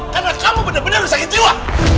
karena kamu benar benar sakit jiwa